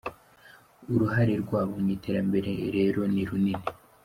Uruhare rwabo mu iterambere rero ni runini.